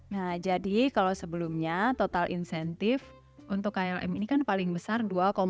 nah jadi kalau sebelumnya total insentif untuk klm ini kan paling besar dua